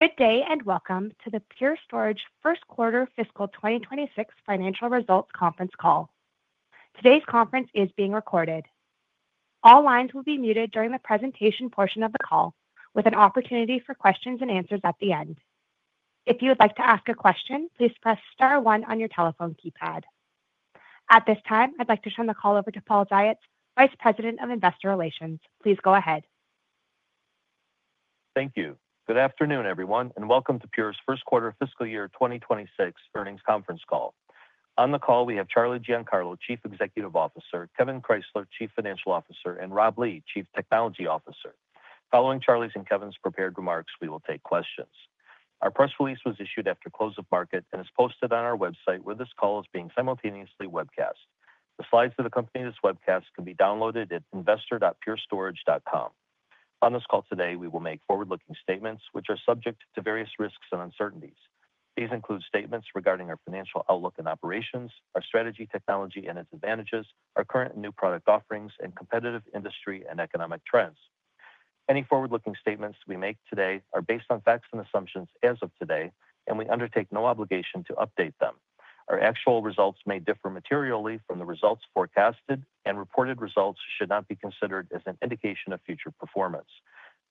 Good day and welcome to the Pure Storage first quarter fiscal 2026 financial results conference call. Today's conference is being recorded. All lines will be muted during the presentation portion of the call, with an opportunity for questions and answers at the end. If you would like to ask a question, please press star one on your telephone keypad. At this time, I'd like to turn the call over to Paul Ziots, Vice President of Investor Relations. Please go ahead. Thank you. Good afternoon, everyone, and welcome to Pure's first quarter fiscal year 2026 earnings conference call. On the call, we have Charlie Giancarlo, Chief Executive Officer, Kevan Krysler, Chief Financial Officer, and Rob Lee, Chief Technology Officer. Following Charlie's and Kevan's prepared remarks, we will take questions. Our press release was issued after close of market and is posted on our website, where this call is being simultaneously webcast. The slides that accompany this webcast can be downloaded at investor.purestorage.com. On this call today, we will make forward-looking statements, which are subject to various risks and uncertainties. These include statements regarding our financial outlook and operations, our strategy, technology, and its advantages, our current and new product offerings, and competitive industry and economic trends. Any forward-looking statements we make today are based on facts and assumptions as of today, and we undertake no obligation to update them. Our actual results may differ materially from the results forecasted, and reported results should not be considered as an indication of future performance.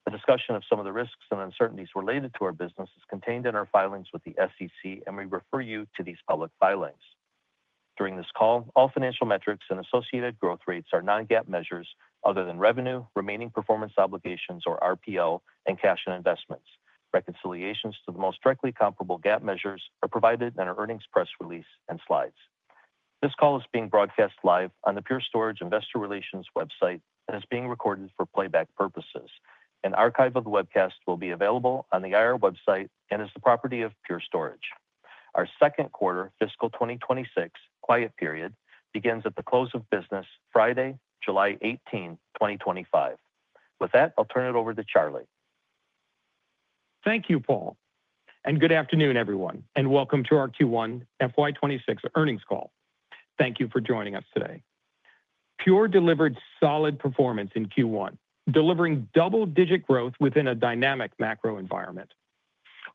The discussion of some of the risks and uncertainties related to our business is contained in our filings with the SEC, and we refer you to these public filings. During this call, all financial metrics and associated growth rates are non-GAAP measures other than revenue, remaining performance obligations, or RPO, and cash and investments. Reconciliations to the most directly comparable GAAP measures are provided in our earnings press release and slides. This call is being broadcast live on the Pure Storage Investor Relations website and is being recorded for playback purposes. An archive of the webcast will be available on the IR website and is the property of Pure Storage. Our second quarter fiscal 2026 quiet period begins at the close of business, Friday, July 18th, 2025. With that, I'll turn it over to Charlie. Thank you, Paul, and good afternoon, everyone, and welcome to our Q1 FY26 earnings call. Thank you for joining us today. Pure delivered solid performance in Q1, delivering double-digit growth within a dynamic macro environment.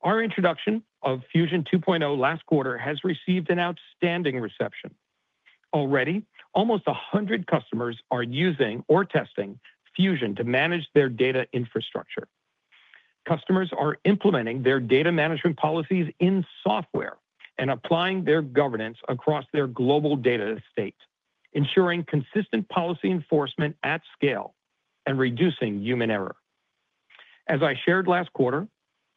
Our introduction of Fusion 2.0 last quarter has received an outstanding reception. Already, almost 100 customers are using or testing Fusion to manage their data infrastructure. Customers are implementing their data management policies in software and applying their governance across their global data estate, ensuring consistent policy enforcement at scale and reducing human error. As I shared last quarter,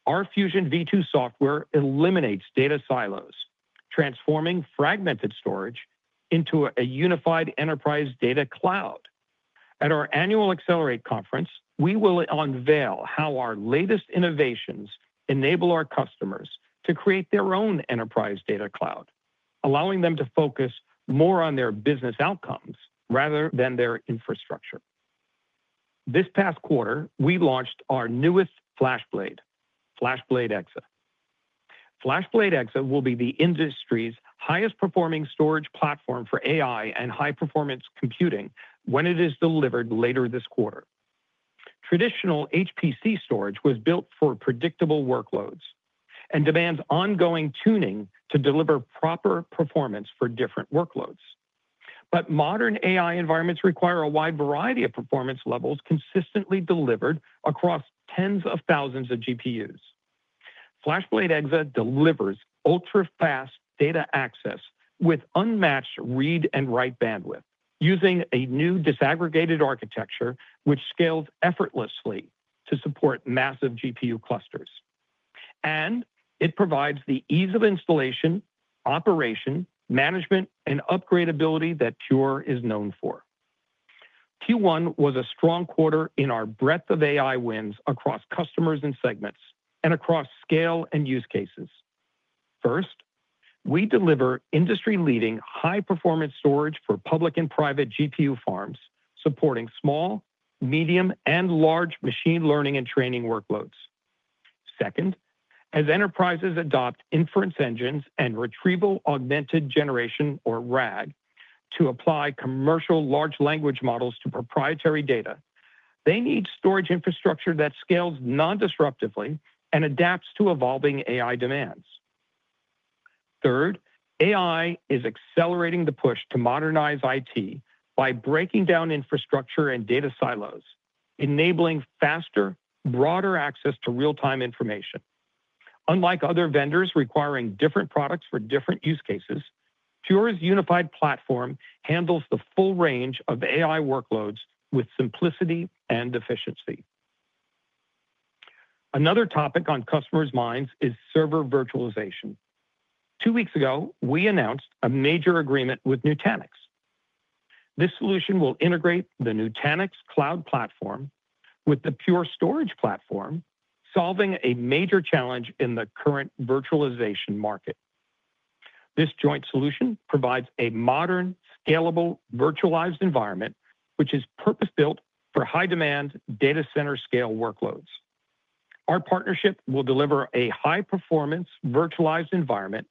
our Fusion v2 software eliminates data silos, transforming fragmented storage into a unified enterprise data cloud. At our annual accelerate conference, we will unveil how our latest innovations enable our customers to create their own enterprise data cloud, allowing them to focus more on their business outcomes rather than their infrastructure. This past quarter, we launched our newest FlashBlade, FlashBlade//EXA. FlashBlade//EXA will be the industry's highest-performing storage platform for AI and high-performance computing when it is delivered later this quarter. Traditional HPC storage was built for predictable workloads and demands ongoing tuning to deliver proper performance for different workloads. However, modern AI environments require a wide variety of performance levels consistently delivered across tens of thousands of GPUs. FlashBlade//EXA delivers ultra-fast data access with unmatched read and write bandwidth, using a new disaggregated architecture which scales effortlessly to support massive GPU clusters. It provides the ease of installation, operation, management, and upgradeability that Pure is known for. Q1 was a strong quarter in our breadth of AI wins across customers and segments and across scale and use cases. First, we deliver industry-leading high-performance storage for public and private GPU farms, supporting small, medium, and large machine learning and training workloads. Second, as enterprises adopt inference engines and retrieval augmented generation, or RAG, to apply commercial large language models to proprietary data, they need storage infrastructure that scales non-disruptively and adapts to evolving AI demands. Third, AI is accelerating the push to modernize IT by breaking down infrastructure and data silos, enabling faster, broader access to real-time information. Unlike other vendors requiring different products for different use cases, Pure's unified platform handles the full range of AI workloads with simplicity and efficiency. Another topic on customers' minds is server virtualization. Two weeks ago, we announced a major agreement with Nutanix. This solution will integrate the Nutanix Cloud Platform with the Pure Storage Platform, solving a major challenge in the current virtualization market. This joint solution provides a modern, scalable, virtualized environment which is purpose-built for high-demand, data center-scale workloads. Our partnership will deliver a high-performance virtualized environment,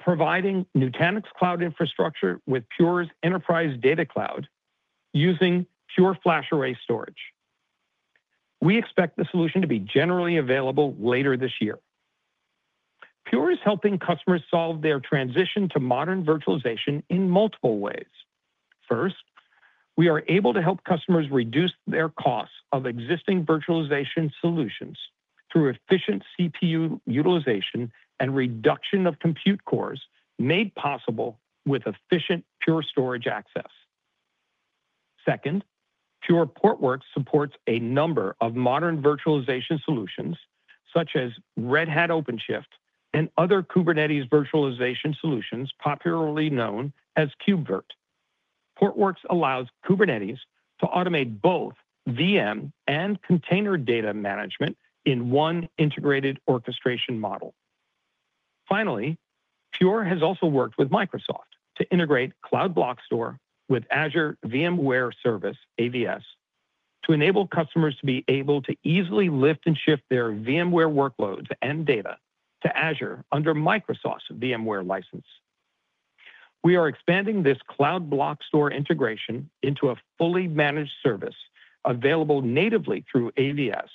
providing Nutanix Cloud infrastructure with Pure's enterprise data cloud using Pure FlashArray Storage. We expect the solution to be generally available later this year. Pure is helping customers solve their transition to modern virtualization in multiple ways. First, we are able to help customers reduce their costs of existing virtualization solutions through efficient CPU utilization and reduction of compute cores made possible with efficient Pure Storage access. Second, Pure Portworx supports a number of modern virtualization solutions such as Red Hat OpenShift and other Kubernetes virtualization solutions popularly known as KubeVirt. Portworx allows Kubernetes to automate both VM and container data management in one integrated orchestration model. Finally, Pure has also worked with Microsoft to integrate Cloud Blockstore with Azure VMware Service (AVS) to enable customers to be able to easily lift and shift their VMware workloads and data to Azure under Microsoft's VMware license. We are expanding this Cloud Blockstore integration into a fully managed service available natively through AVS,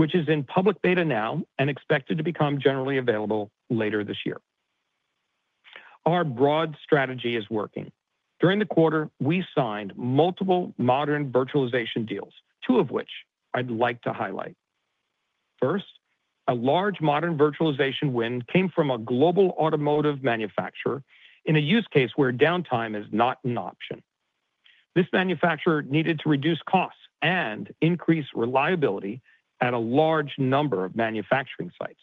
which is in public beta now and expected to become generally available later this year. Our broad strategy is working. During the quarter, we signed multiple modern virtualization deals, two of which I'd like to highlight. First, a large modern virtualization win came from a global automotive manufacturer in a use case where downtime is not an option. This manufacturer needed to reduce costs and increase reliability at a large number of manufacturing sites.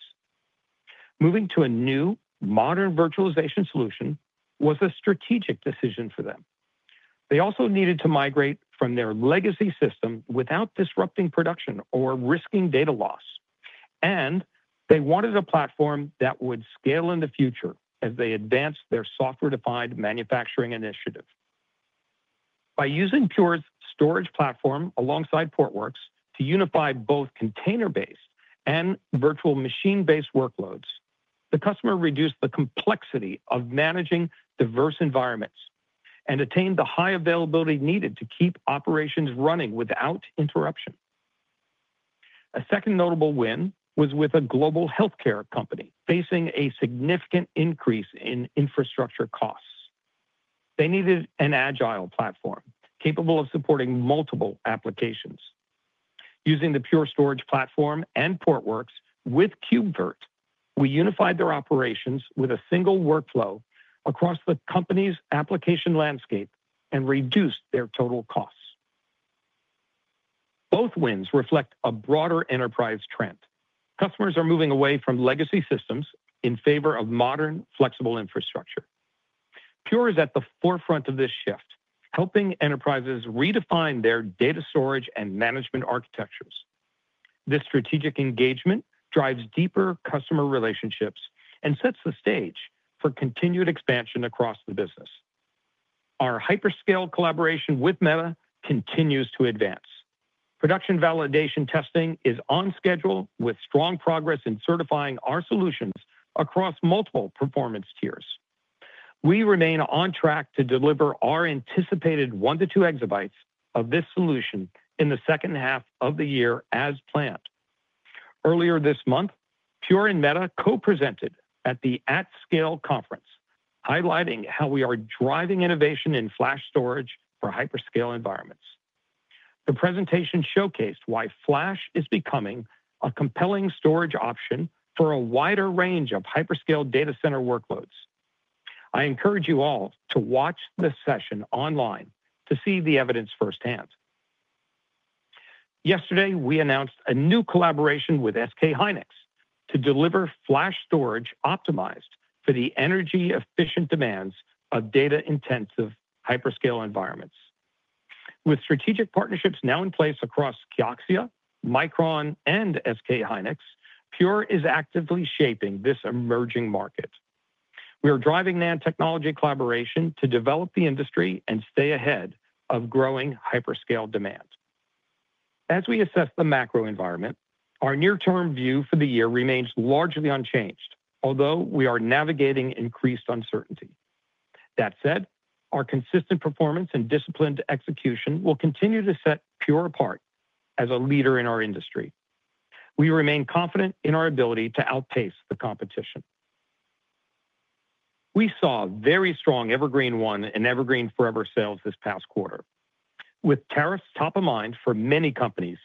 Moving to a new, modern virtualization solution was a strategic decision for them. They also needed to migrate from their legacy system without disrupting production or risking data loss, and they wanted a platform that would scale in the future as they advanced their software-defined manufacturing initiative. By using Pure's storage platform alongside Portworx to unify both container-based and virtual machine-based workloads, the customer reduced the complexity of managing diverse environments and attained the high availability needed to keep operations running without interruption. A second notable win was with a global healthcare company facing a significant increase in infrastructure costs. They needed an agile platform capable of supporting multiple applications. Using the Pure Storage platform and Portworx with KubeVirt, we unified their operations with a single workflow across the company's application landscape and reduced their total costs. Both wins reflect a broader enterprise trend. Customers are moving away from legacy systems in favor of modern, flexible infrastructure. Pure is at the forefront of this shift, helping enterprises redefine their data storage and management architectures. This strategic engagement drives deeper customer relationships and sets the stage for continued expansion across the business. Our hyperscale collaboration with Meta continues to advance. Production validation testing is on schedule with strong progress in certifying our solutions across multiple performance tiers. We remain on track to deliver our anticipated one to two exabytes of this solution in the second half of the year as planned. Earlier this month, Pure and Meta co-presented at the AtScale conference, highlighting how we are driving innovation in flash storage for hyperscale environments. The presentation showcased why flash is becoming a compelling storage option for a wider range of hyperscale data center workloads. I encourage you all to watch the session online to see the evidence firsthand. Yesterday, we announced a new collaboration with SK hynix to deliver flash storage optimized for the energy-efficient demands of data-intensive hyperscale environments. With strategic partnerships now in place across Kioxia, Micron, and SK hynix, Pure is actively shaping this emerging market. We are driving the technology collaboration to develop the industry and stay ahead of growing hyperscale demand. As we assess the macro environment, our near-term view for the year remains largely unchanged, although we are navigating increased uncertainty. That said, our consistent performance and disciplined execution will continue to set Pure apart as a leader in our industry. We remain confident in our ability to outpace the competition. We saw very strong Evergreen//One and Evergreen//Forever sales this past quarter. With tariffs top of mind for many companies,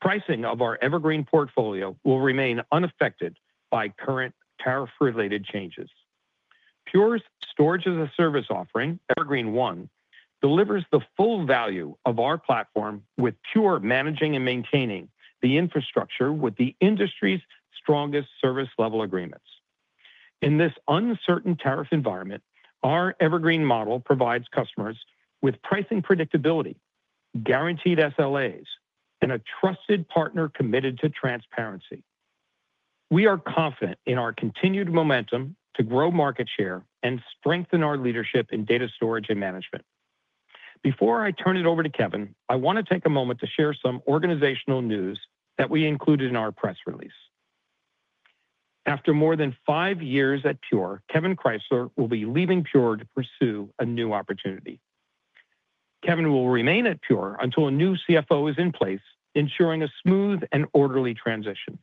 pricing of our Evergreen portfolio will remain unaffected by current tariff-related changes. Pure's storage as a service offering, Evergreen//One, delivers the full value of our platform with Pure managing and maintaining the infrastructure with the industry's strongest service-level agreements. In this uncertain tariff environment, our Evergreen model provides customers with pricing predictability, guaranteed SLAs, and a trusted partner committed to transparency. We are confident in our continued momentum to grow market share and strengthen our leadership in data storage and management. Before I turn it over to Kevan, I want to take a moment to share some organizational news that we included in our press release. After more than five years at Pure, Kevan Krysler will be leaving Pure to pursue a new opportunity. Kevan will remain at Pure until a new CFO is in place, ensuring a smooth and orderly transition.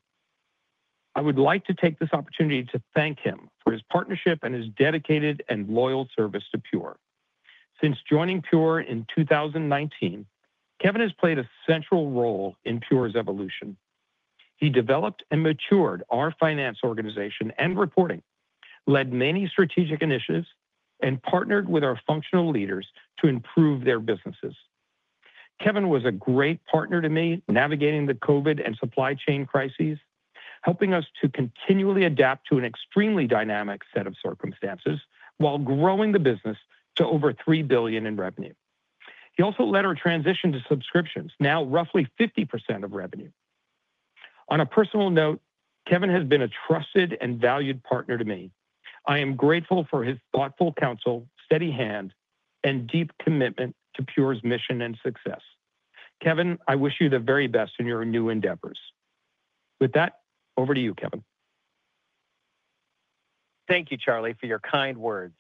I would like to take this opportunity to thank him for his partnership and his dedicated and loyal service to Pure. Since joining Pure in 2019, Kevan has played a central role in Pure's evolution. He developed and matured our finance organization and reporting, led many strategic initiatives, and partnered with our functional leaders to improve their businesses. Kevan was a great partner to me navigating the COVID and supply chain crises, helping us to continually adapt to an extremely dynamic set of circumstances while growing the business to over $3 billion in revenue. He also led our transition to subscriptions, now roughly 50% of revenue. On a personal note, Kevan has been a trusted and valued partner to me. I am grateful for his thoughtful counsel, steady hand, and deep commitment to Pure's mission and success. Kevan, I wish you the very best in your new endeavors. With that, over to you, Kevan. Thank you, Charlie, for your kind words.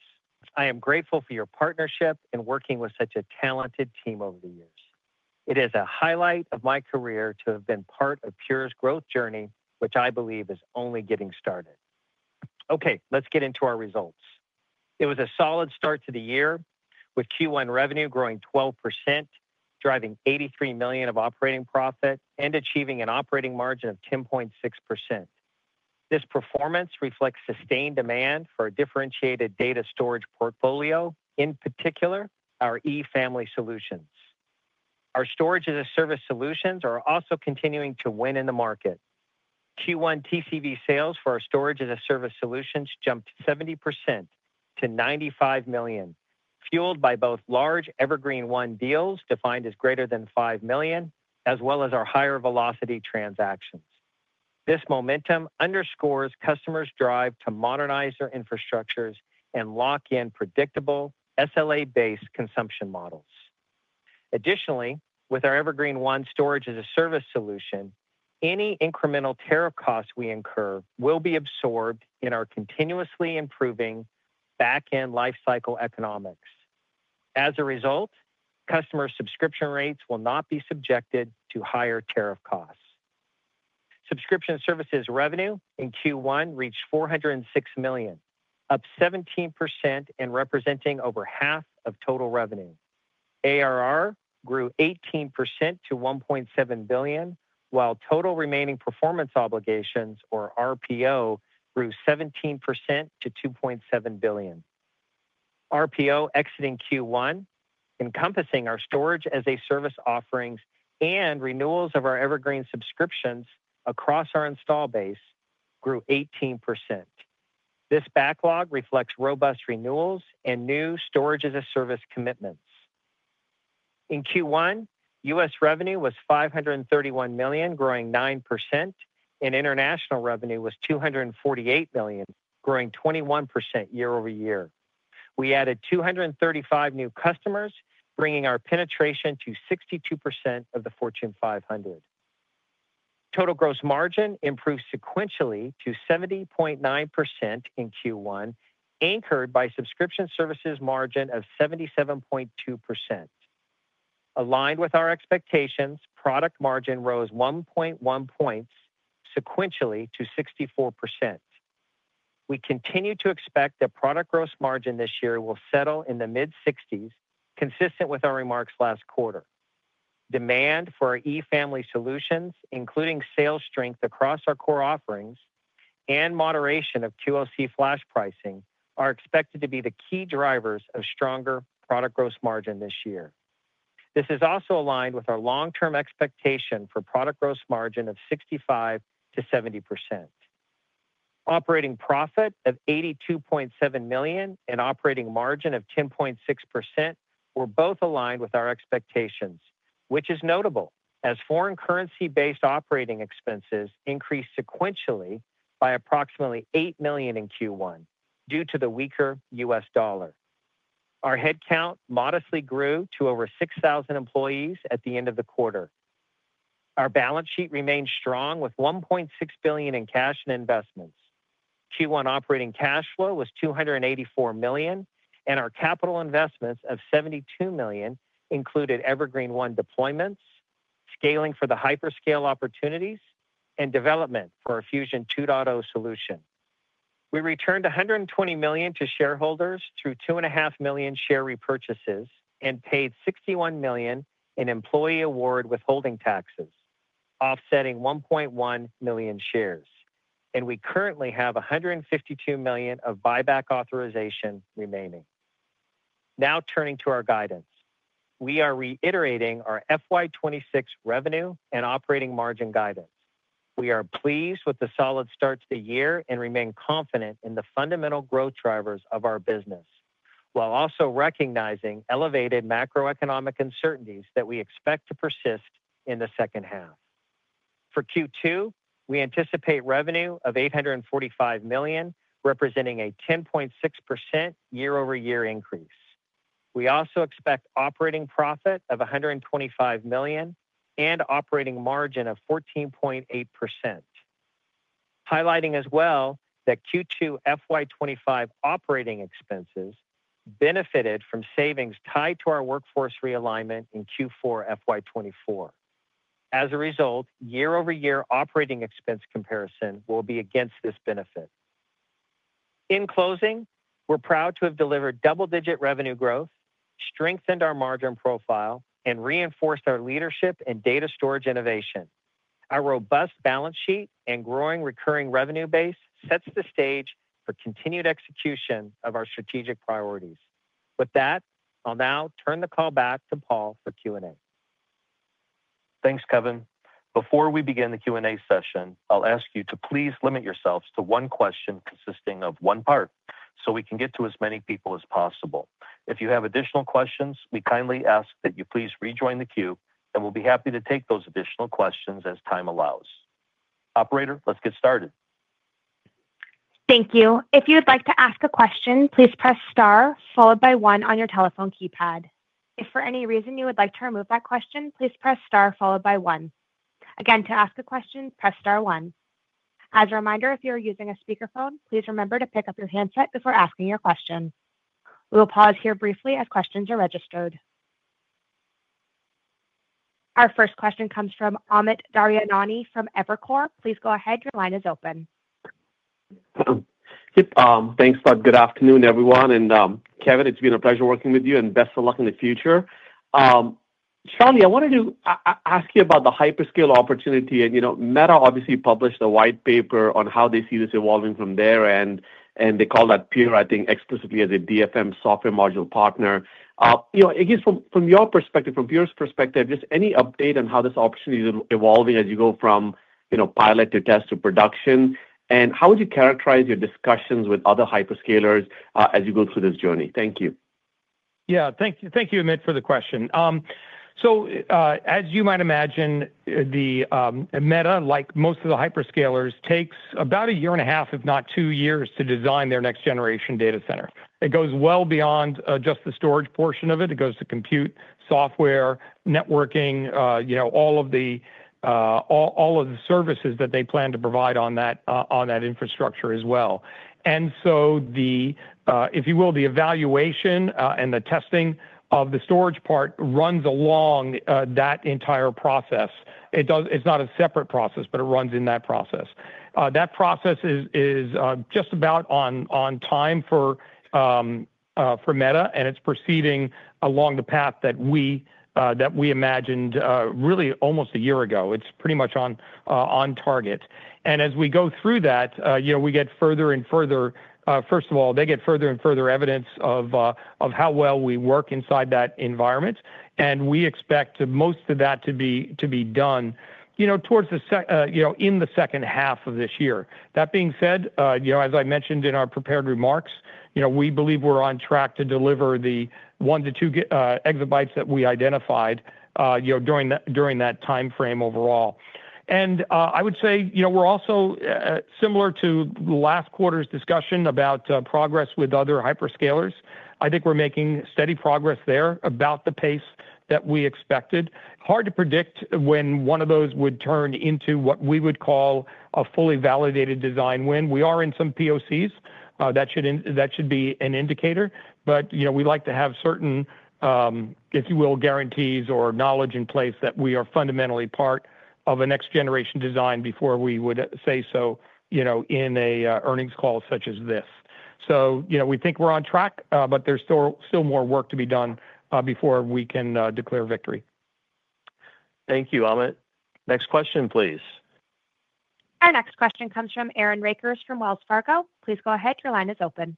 I am grateful for your partnership in working with such a talented team over the years. It is a highlight of my career to have been part of Pure's growth journey, which I believe is only getting started. Okay, let's get into our results. It was a solid start to the year with Q1 revenue growing 12%, driving $83 million of operating profit and achieving an operating margin of 10.6%. This performance reflects sustained demand for a differentiated data storage portfolio, in particular our eFamily solutions. Our storage as a service solutions are also continuing to win in the market. Q1 TCV sales for our storage as a service solutions jumped 70% to $95 million, fueled by both large Evergreen//One deals defined as greater than $5 million, as well as our higher velocity transactions. This momentum underscores customers' drive to modernize their infrastructures and lock in predictable SLA-based consumption models. Additionally, with our Evergreen//One storage as a service solution, any incremental tariff costs we incur will be absorbed in our continuously improving back-end lifecycle economics. As a result, customer subscription rates will not be subjected to higher tariff costs. Subscription services revenue in Q1 reached $406 million, up 17% and representing over half of total revenue. ARR grew 18% to $1.7 billion, while total remaining performance obligations, or RPO, grew 17% to $2.7 billion. RPO exiting Q1, encompassing our storage as a service offerings and renewals of our Evergreen subscriptions across our install base, grew 18%. This backlog reflects robust renewals and new storage as a service commitments. In Q1, U.S. revenue was $531 million, growing 9%, and international revenue was $248 million, growing 21% year-over-year. We added 235 new customers, bringing our penetration to 62% of the Fortune 500. Total gross margin improved sequentially to 70.9% in Q1, anchored by subscription services margin of 77.2%. Aligned with our expectations, product margin rose 1.1 points sequentially to 64%. We continue to expect that product gross margin this year will settle in the mid-60s, consistent with our remarks last quarter. Demand for our eFamily solutions, including sales strength across our core offerings and moderation of QLC flash pricing, are expected to be the key drivers of stronger product gross margin this year. This is also aligned with our long-term expectation for product gross margin of 65%-70%. Operating profit of $82.7 million and operating margin of 10.6% were both aligned with our expectations, which is notable as foreign currency-based operating expenses increased sequentially by approximately $8 million in Q1 due to the weaker U.S. dollar. Our headcount modestly grew to over 6,000 employees at the end of the quarter. Our balance sheet remained strong with $1.6 billion in cash and investments. Q1 operating cash flow was $284 million, and our capital investments of $72 million included Evergreen//One deployments, scaling for the hyperscale opportunities, and development for our Fusion 2.0 solution. We returned $120 million to shareholders through 2.5 million share repurchases and paid $61 million in employee award withholding taxes, offsetting 1.1 million shares. We currently have $152 million of buyback authorization remaining. Now turning to our guidance, we are reiterating our FY 2026 revenue and operating margin guidance. We are pleased with the solid start to the year and remain confident in the fundamental growth drivers of our business, while also recognizing elevated macroeconomic uncertainties that we expect to persist in the second half. For Q2, we anticipate revenue of $845 million, representing a 10.6% year-over-year increase. We also expect operating profit of $125 million and operating margin of 14.8%. Highlighting as well that Q2 FY 2025 operating expenses benefited from savings tied to our workforce realignment in Q4 FY 2024. As a result, year-over-year operating expense comparison will be against this benefit. In closing, we're proud to have delivered double-digit revenue growth, strengthened our margin profile, and reinforced our leadership and data storage innovation. Our robust balance sheet and growing recurring revenue base sets the stage for continued execution of our strategic priorities. With that, I'll now turn the call back to Paul for Q&A. Thanks, Kevan. Before we begin the Q&A session, I'll ask you to please limit yourselves to one question consisting of one part so we can get to as many people as possible. If you have additional questions, we kindly ask that you please rejoin the queue, and we'll be happy to take those additional questions as time allows. Operator, let's get started. Thank you. If you would like to ask a question, please press star followed by one on your telephone keypad. If for any reason you would like to remove that question, please press star followed by one. Again, to ask a question, press star one. As a reminder, if you are using a speakerphone, please remember to pick up your handset before asking your question. We will pause here briefly as questions are registered. Our first question comes from Amit Daryanani from Evercore. Please go ahead. Your line is open. Thanks, Scott. Good afternoon, everyone. And Kevan, it's been a pleasure working with you, and best of luck in the future. Charlie, I wanted to ask you about the hyperscale opportunity. Meta obviously published a white paper on how they see this evolving from there, and they call out Pure, I think, explicitly as a DFM software module partner. I guess from your perspective, from Pure's perspective, just any update on how this opportunity is evolving as you go from pilot to test to production? How would you characterize your discussions with other hyperscalers as you go through this journey? Thank you. Yeah, thank you, Amit, for the question. As you might imagine, Meta, like most of the hyperscalers, takes about a year and a half, if not two years, to design their next-generation data center. It goes well beyond just the storage portion of it. It goes to compute, software, networking, all of the services that they plan to provide on that infrastructure as well. The evaluation and the testing of the storage part runs along that entire process. It's not a separate process, but it runs in that process. That process is just about on time for Meta, and it's proceeding along the path that we imagined really almost a year ago. It's pretty much on target. As we go through that, we get further and further—first of all, they get further and further evidence of how well we work inside that environment. We expect most of that to be done in the second half of this year. That being said, as I mentioned in our prepared remarks, we believe we're on track to deliver the one to two exabytes that we identified during that timeframe overall. I would say we're also similar to last quarter's discussion about progress with other hyperscalers. I think we're making steady progress there about the pace that we expected. Hard to predict when one of those would turn into what we would call a fully validated design win. We are in some POCs. That should be an indicator. We like to have certain, if you will, guarantees or knowledge in place that we are fundamentally part of a next-generation design before we would say so in an earnings call such as this. We think we're on track, but there's still more work to be done before we can declare victory. Thank you, Amit. Next question, please. Our next question comes from Aaron Rakers from Wells Fargo. Please go ahead. Your line is open.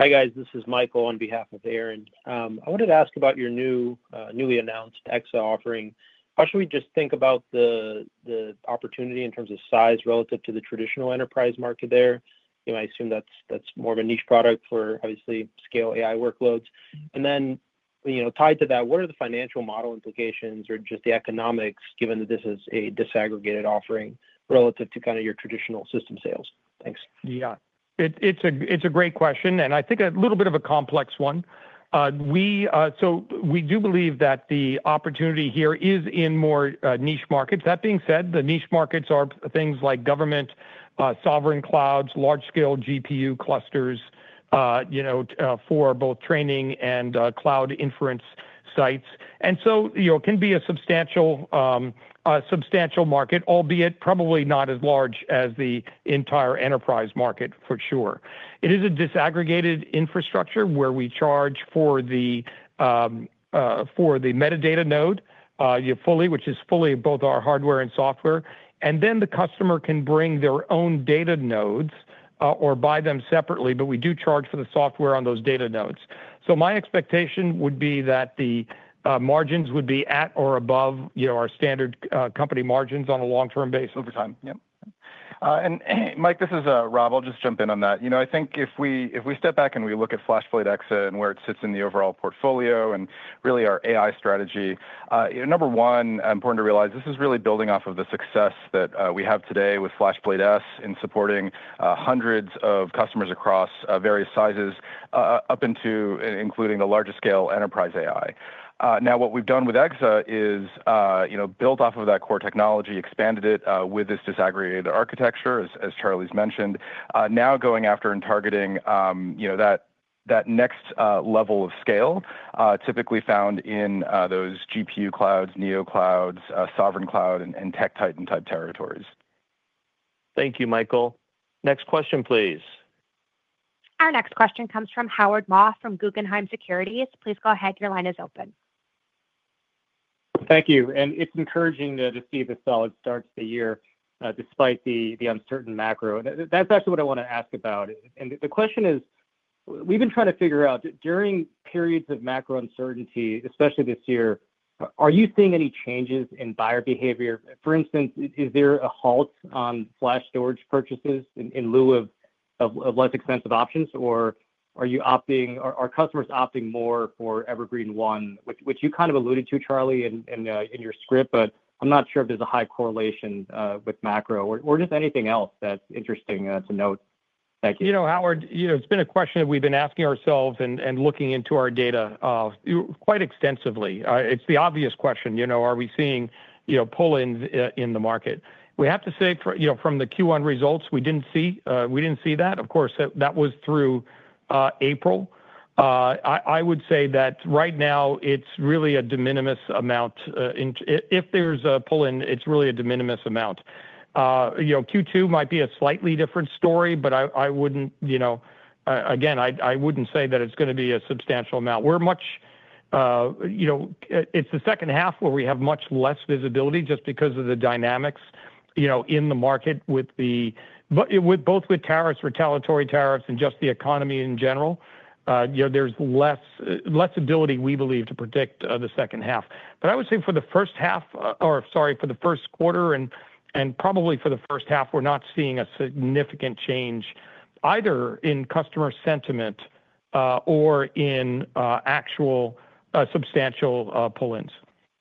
Hi guys, this is Michael on behalf of Aaron. I wanted to ask about your newly announced EXA offering. How should we just think about the opportunity in terms of size relative to the traditional enterprise market there? I assume that's more of a niche product for obviously scale AI workloads. Then tied to that, what are the financial model implications or just the economics, given that this is a disaggregated offering relative to kind of your traditional system sales? Thanks. Yeah, it's a great question, and I think a little bit of a complex one. We do believe that the opportunity here is in more niche markets. That being said, the niche markets are things like government, sovereign clouds, large-scale GPU clusters for both training and cloud inference sites. It can be a substantial market, albeit probably not as large as the entire enterprise market for sure. It is a disaggregated infrastructure where we charge for the metadata node fully, which is fully both our hardware and software. The customer can bring their own data nodes or buy them separately, but we do charge for the software on those data nodes. My expectation would be that the margins would be at or above our standard company margins on a long-term basis. Over time. Yep. Mike, this is Rob. I'll just jump in on that. I think if we step back and we look at FlashBlade//EXA and where it sits in the overall portfolio and really our AI strategy, number one, important to realize this is really building off of the success that we have today with FlashBlade//S in supporting hundreds of customers across various sizes, up into including the largest scale enterprise AI. Now, what we've done with EXA is built off of that core technology, expanded it with this disaggregated architecture, as Charlie's mentioned, now going after and targeting that next level of scale typically found in those GPU clouds, Neo-clouds, sovereign cloud, and tech titan type territories. Thank you, Michael. Next question, please. Our next question comes from Howard Ma from Guggenheim Securities. Please go ahead. Your line is open. Thank you. It's encouraging to see the solid start to the year despite the uncertain macro. That's actually what I want to ask about. The question is, we've been trying to figure out during periods of macro uncertainty, especially this year, are you seeing any changes in buyer behavior? For instance, is there a halt on flash storage purchases in lieu of less expensive options, or are you opting—are customers opting more for Evergreen//One, which you kind of alluded to, Charlie, in your script, but I'm not sure if there's a high correlation with macro or just anything else that's interesting to note? Thank you. You know, Howard, it's been a question that we've been asking ourselves and looking into our data quite extensively. It's the obvious question. Are we seeing pull-ins in the market? We have to say from the Q1 results, we didn't see that. Of course, that was through April. I would say that right now, it's really a de minimis amount. If there's a pull-in, it's really a de minimis amount. Q2 might be a slightly different story, but I wouldn't—again, I wouldn't say that it's going to be a substantial amount. We're much—it's the second half where we have much less visibility just because of the dynamics in the market, both with tariffs, retaliatory tariffs, and just the economy in general. There is less ability, we believe, to predict the second half. I would say for the first half—or sorry, for the first quarter and probably for the first half, we're not seeing a significant change either in customer sentiment or in actual substantial pull-ins.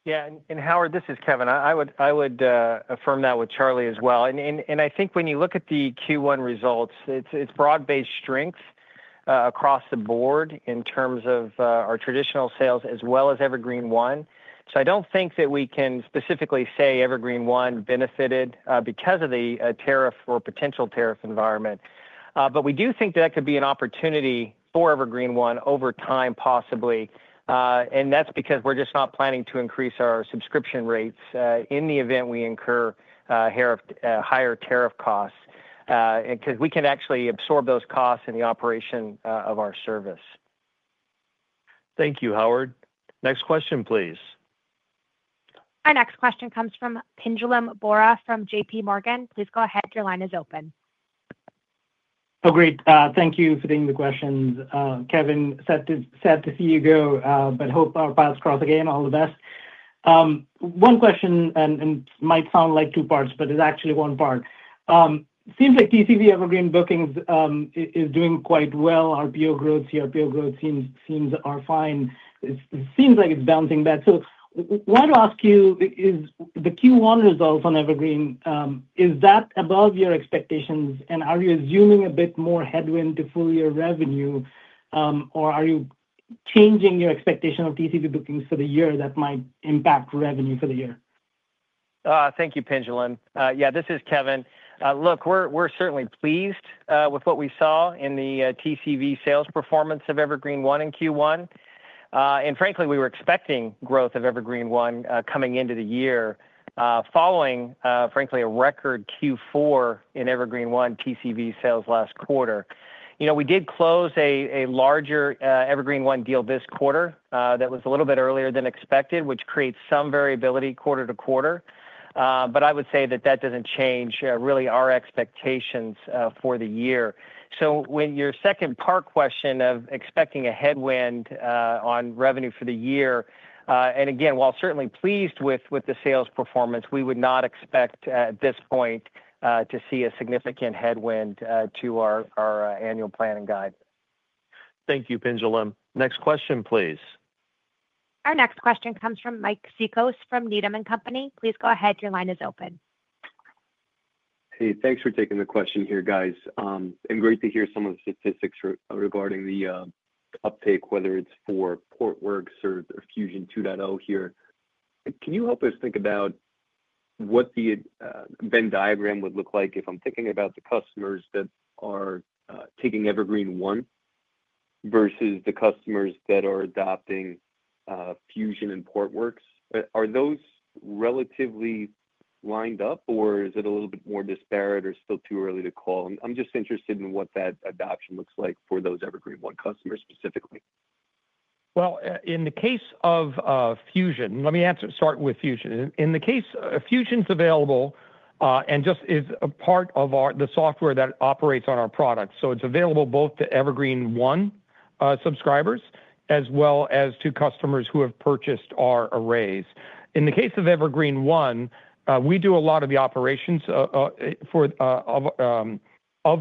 Yeah. Howard, this is Kevan. I would affirm that with Charlie as well. I think when you look at the Q1 results, it's broad-based strength across the board in terms of our traditional sales as well as Evergreen//One. I do not think that we can specifically say Evergreen//One benefited because of the tariff or potential tariff environment. We do think that could be an opportunity for Evergreen//One over time, possibly. That is because we are just not planning to increase our subscription rates in the event we incur higher tariff costs because we can actually absorb those costs in the operation of our service. Thank you, Howard. Next question, please. Our next question comes from Pinjalim Bora from JPMorgan. Please go ahead. Your line is open. Oh, great. Thank you for taking the questions. Kevan, sad to see you go, but hope our paths cross again. All the best. One question, and it might sound like two parts, but it is actually one part. Seems like TCV Evergreen Bookings is doing quite well. RPO growth, CRPO growth seems are fine. It seems like it is bouncing back. Why do I ask you, is the Q1 results on Evergreen, is that above your expectations? Are you assuming a bit more headwind to full year revenue, or are you changing your expectation of TCV bookings for the year that might impact revenue for the year? Thank you, Pinjalim. Yeah, this is Kevan. Look, we're certainly pleased with what we saw in the TCV sales performance of Evergreen//One in Q1. And frankly, we were expecting growth of Evergreen//One coming into the year following, frankly, a record Q4 in Evergreen//One TCV sales last quarter. We did close a larger Evergreen//One deal this quarter that was a little bit earlier than expected, which creates some variability quarter to quarter. I would say that that does not change really our expectations for the year. When your second part question of expecting a headwind on revenue for the year, and again, while certainly pleased with the sales performance, we would not expect at this point to see a significant headwind to our annual planning guide. Thank you, Pinjalim. Next question, please. Our next question comes from Mike Cikos from Needham & Company. Please go ahead. Your line is open. Hey, thanks for taking the question here, guys. Great to hear some of the statistics regarding the uptake, whether it's for Portworx or Fusion 2.0 here. Can you help us think about what the Venn diagram would look like if I'm thinking about the customers that are taking Evergreen//One versus the customers that are adopting Fusion and Portworx? Are those relatively lined up, or is it a little bit more disparate or still too early to call? I'm just interested in what that adoption looks like for those Evergreen//One customers specifically. In the case of Fusion, let me start with Fusion. In the case, Fusion's available and just is a part of the software that operates on our products. So it's available both to Evergreen//One subscribers as well as to customers who have purchased our arrays. In the case of Evergreen//One, we do a lot of the operations of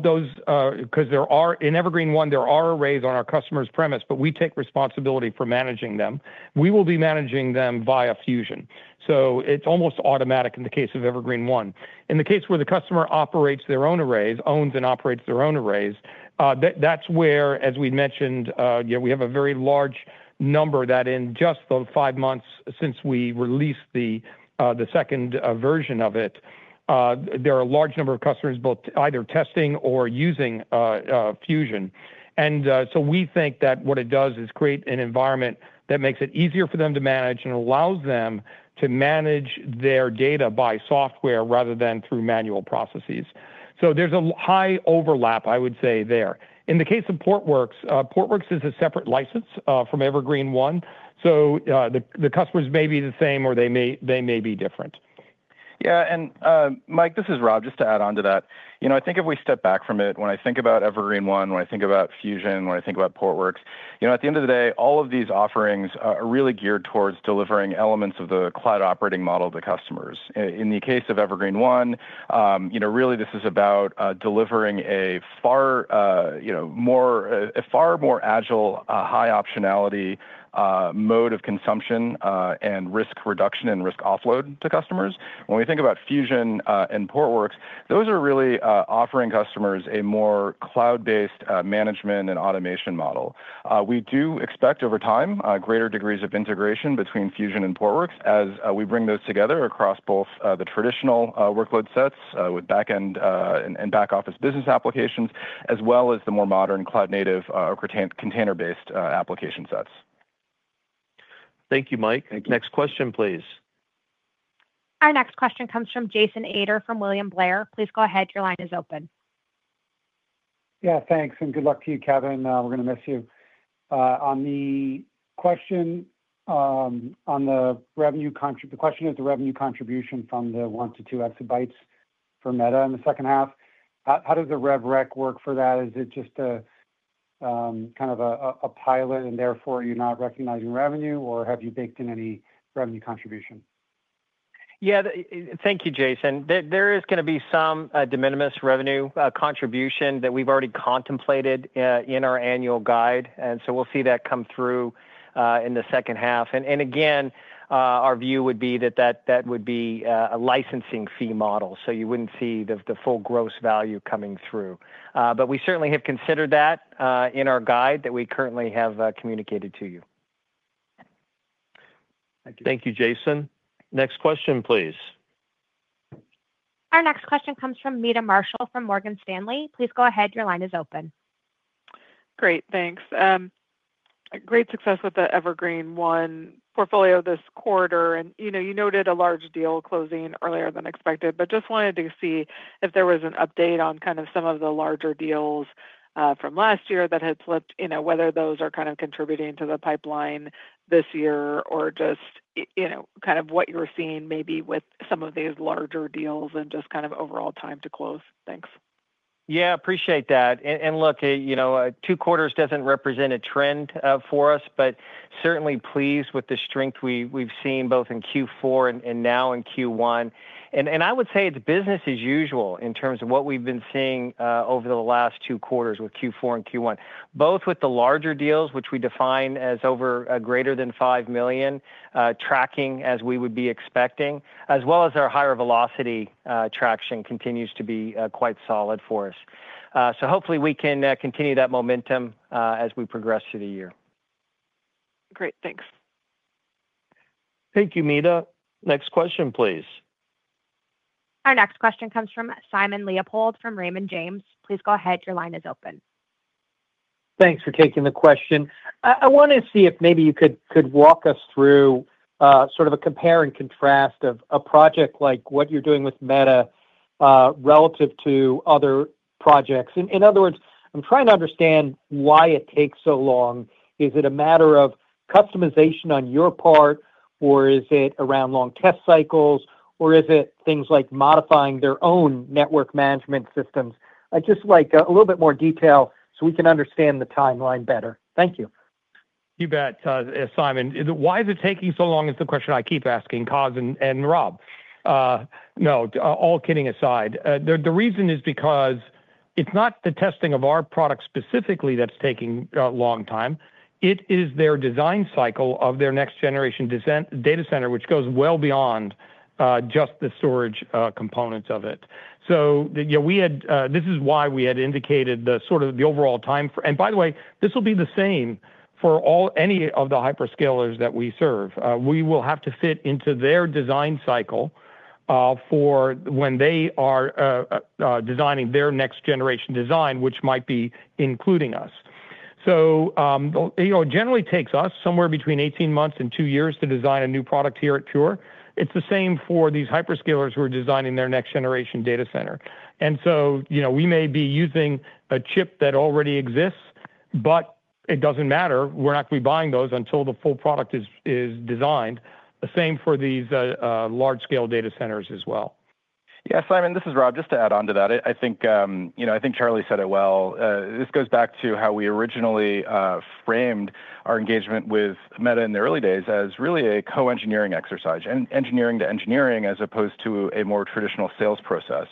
those because there are in Evergreen//One, there are arrays on our customer's premise, but we take responsibility for managing them. We will be managing them via Fusion. It's almost automatic in the case of Evergreen//One. In the case where the customer operates their own arrays, owns and operates their own arrays, that's where, as we mentioned, we have a very large number that in just the five months since we released the second version of it, there are a large number of customers both either testing or using Fusion. We think that what it does is create an environment that makes it easier for them to manage and allows them to manage their data by software rather than through manual processes. There's a high overlap, I would say, there. In the case of Portworx, Portworx is a separate license from Evergreen//One. The customers may be the same or they may be different. Yeah. Mike, this is Rob. Just to add on to that, I think if we step back from it, when I think about Evergreen//One, when I think about Fusion, when I think about Portworx, at the end of the day, all of these offerings are really geared towards delivering elements of the cloud operating model to customers. In the case of Evergreen//One, really this is about delivering a far more agile, high optionality mode of consumption and risk reduction and risk offload to customers. When we think about Fusion and Portworx, those are really offering customers a more cloud-based management and automation model. We do expect over time greater degrees of integration between Fusion and Portworx as we bring those together across both the traditional workload sets with back-end and back-office business applications, as well as the more modern cloud-native or container-based application sets. Thank you, Mike. Next question, please. Our next question comes from Jason Ader from William Blair. Please go ahead. Your line is open. Yeah, thanks. And good luck to you, Kevan. We're going to miss you. On the question on the revenue contribution, the question is the revenue contribution from the one to two exabytes for Meta in the second half. How does the RevRec work for that? Is it just kind of a pilot and therefore you're not recognizing revenue, or have you baked in any revenue contribution? Yeah, thank you, Jason. There is going to be some de minimis revenue contribution that we've already contemplated in our annual guide. You'll see that come through in the second half. Again, our view would be that that would be a licensing fee model. You wouldn't see the full gross value coming through. But we certainly have considered that in our guide that we currently have communicated to you. Thank you, Jason. Next question, please. Our next question comes from Meta Marshall from Morgan Stanley. Please go ahead. Your line is open. Great. Thanks. Great success with the Evergreen//One portfolio this quarter. And you noted a large deal closing earlier than expected, but just wanted to see if there was an update on kind of some of the larger deals from last year that had slipped, whether those are kind of contributing to the pipeline this year or just kind of what you're seeing maybe with some of these larger deals and just kind of overall time to close. Thanks. Yeah, appreciate that. And look, two quarters does not represent a trend for us, but certainly pleased with the strength we've seen both in Q4 and now in Q1. I would say it's business as usual in terms of what we've been seeing over the last two quarters with Q4 and Q1. Both with the larger deals, which we define as over greater than $5 million, tracking as we would be expecting, as well as our higher velocity traction continues to be quite solid for us. Hopefully we can continue that momentum as we progress through the year. Great. Thanks. Thank you, Meta. Next question, please. Our next question comes from Simon Leopold from Raymond James. Please go ahead. Your line is open. Thanks for taking the question. I want to see if maybe you could walk us through sort of a compare and contrast of a project like what you're doing with Meta relative to other projects. In other words, I'm trying to understand why it takes so long. Is it a matter of customization on your part, or is it around long test cycles, or is it things like modifying their own network management systems? Just like a little bit more detail so we can understand the timeline better. Thank you. You bet, Simon. Why is it taking so long is the question I keep asking Koz and Rob. No, all kidding aside. The reason is because it's not the testing of our product specifically that's taking a long time. It is their design cycle of their next-generation data center, which goes well beyond just the storage components of it. This is why we had indicated the sort of the overall time for, and by the way, this will be the same for any of the hyperscalers that we serve. We will have to fit into their design cycle for when they are designing their next-generation design, which might be including us. It generally takes us somewhere between 18 months and two years to design a new product here at Pure. It's the same for these hyperscalers who are designing their next-generation data center. We may be using a chip that already exists, but it doesn't matter. We're not going to be buying those until the full product is designed. The same for these large-scale data centers as well. Yeah, Simon, this is Rob. Just to add on to that, I think Charlie said it well. This goes back to how we originally framed our engagement with Meta in the early days as really a co-engineering exercise and engineering to engineering as opposed to a more traditional sales process.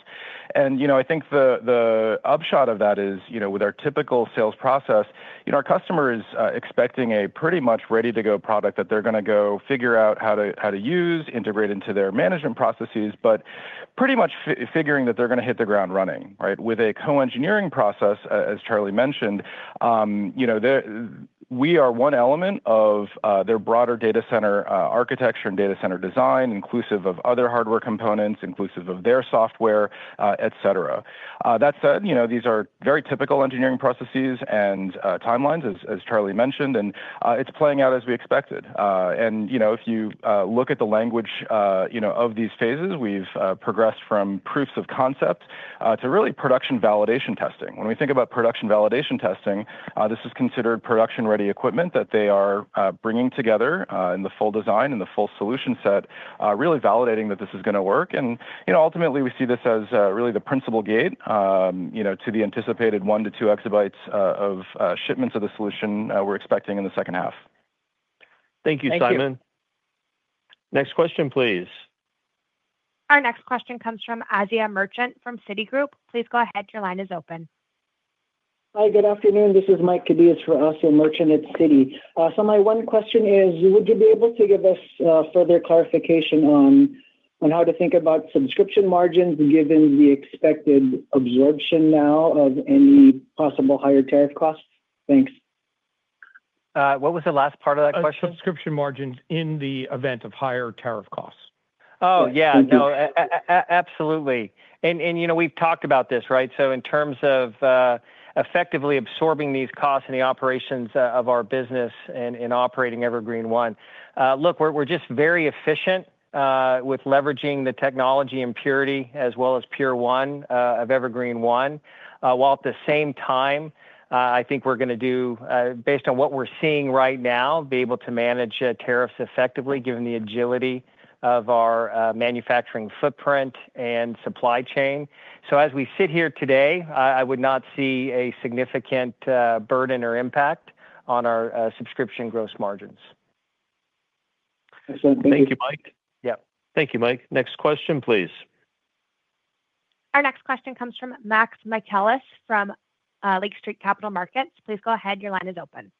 I think the upshot of that is with our typical sales process, our customer is expecting a pretty much ready-to-go product that they're going to go figure out how to use, integrate into their management processes, but pretty much figuring that they're going to hit the ground running, right? With a co-engineering process, as Charlie mentioned, we are one element of their broader data center architecture and data center design, inclusive of other hardware components, inclusive of their software, etc. These are very typical engineering processes and timelines, as Charlie mentioned, and it's playing out as we expected. If you look at the language of these phases, we've progressed from proofs of concept to really production validation testing. When we think about production validation testing, this is considered production-ready equipment that they are bringing together in the full design and the full solution set, really validating that this is going to work. Ultimately, we see this as really the principal gate to the anticipated one to two exabytes of shipments of the solution we are expecting in the second half. Thank you, Simon. Next question, please. Our next question comes from Ajay Singh from Citigroup. Please go ahead. Your line is open. Hi, good afternoon. This is Mike Cadiz for Ajay Singh at Citi. My one question is, would you be able to give us further clarification on how to think about subscription margins given the expected absorption now of any possible higher tariff costs? Thanks. What was the last part of that question? Subscription margins in the event of higher tariff costs. Oh, yeah. No, absolutely. We have talked about this, right? In terms of effectively absorbing these costs and the operations of our business in operating Evergreen//One, look, we are just very efficient with leveraging the technology and Purity as well as Pure One of Evergreen//One. At the same time, I think we are going to do, based on what we are seeing right now, be able to manage tariffs effectively given the agility of our manufacturing footprint and supply chain. As we sit here today, I would not see a significant burden or impact on our subscription gross margins. Excellent. Thank you, Mike. Yeah. Thank you, Mike. Next question, please. Our next question comes from Max Michaelis from Lake Street Capital Markets. Please go ahead. Your line is open.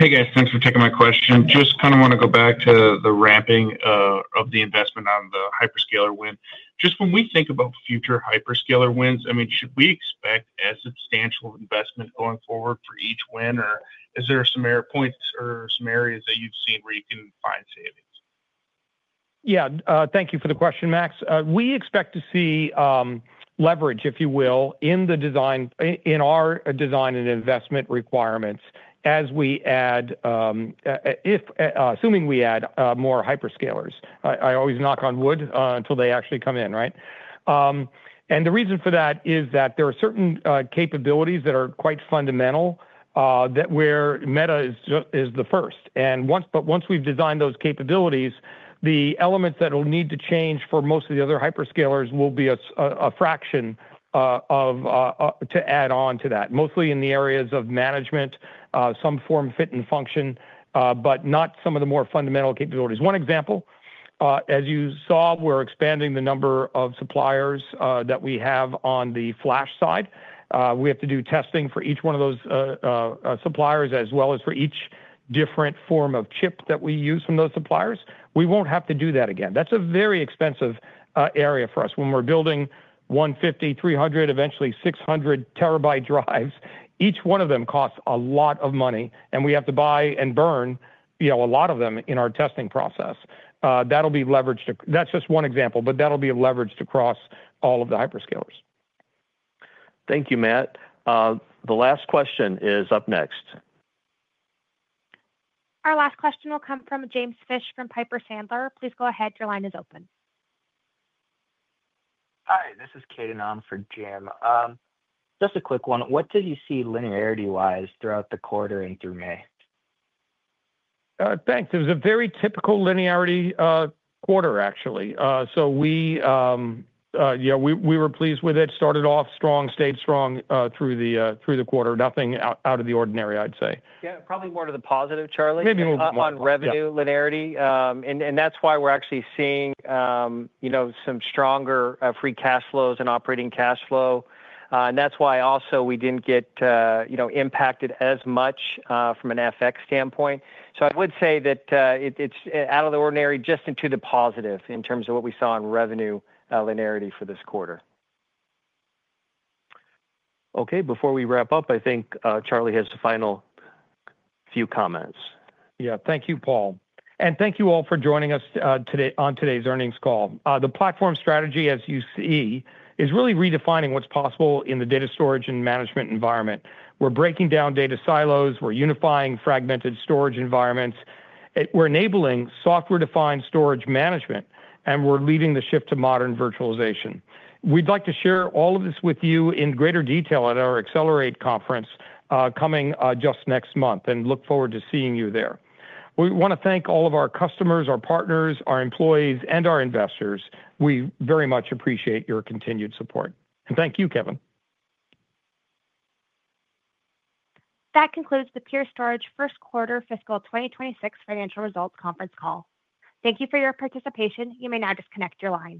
Hey, guys. Thanks for taking my question. Just kind of want to go back to the ramping of the investment on the hyperscaler win. Just when we think about future hyperscaler wins, I mean, should we expect a substantial investment going forward for each win? Or is there some error points or some areas that you've seen where you can find savings? Yeah. Thank you for the question, Max. We expect to see leverage, if you will, in our design and investment requirements as we add, assuming we add more hyperscalers. I always knock on wood until they actually come in, right? The reason for that is that there are certain capabilities that are quite fundamental that where Meta is the first. Once we've designed those capabilities, the elements that will need to change for most of the other hyperscalers will be a fraction to add on to that, mostly in the areas of management, some form, fit, and function, but not some of the more fundamental capabilities. One example, as you saw, we're expanding the number of suppliers that we have on the flash side. We have to do testing for each one of those suppliers as well as for each different form of chip that we use from those suppliers. We won't have to do that again. That's a very expensive area for us. When we're building 150 TB, 300 TB, eventually 600 TB drives, each one of them costs a lot of money, and we have to buy and burn a lot of them in our testing process. That'll be leveraged to—that's just one example, but that'll be leveraged across all of the hyperscalers. Thank you, Max. The last question is up next. Our last question will come from James Fish from Piper Sandler. Please go ahead. Your line is open. Hi, this is Kadenan for Jam. Just a quick one. What did you see linearity-wise throughout the quarter and through May? Thanks. It was a very typical linearity quarter, actually. So we were pleased with it. Started off strong, stayed strong through the quarter. Nothing out of the ordinary, I'd say. Yeah, probably more to the positive, Charlie. Maybe we'll go back. On revenue linearity. That is why we're actually seeing some stronger free cash flows and operating cash flow. That is why also we didn't get impacted as much from an FX standpoint. I would say that it's out of the ordinary, just into the positive in terms of what we saw in revenue linearity for this quarter. Okay. Before we wrap up, I think Charlie has the final few comments. Yeah. Thank you, Paul. And thank you all for joining us on today's earnings call. The platform strategy, as you see, is really redefining what's possible in the data storage and management environment. We're breaking down data silos. We're unifying fragmented storage environments. We're enabling software-defined storage management, and we're leading the shift to modern virtualization. We'd like to share all of this with you in greater detail at our Accelerate conference coming just next month, and look forward to seeing you there. We want to thank all of our customers, our partners, our employees, and our investors. We very much appreciate your continued support. Thank you, Kevan. That concludes the Pure Storage first quarter fiscal 2026 financial results conference call. Thank you for your participation. You may now disconnect your line.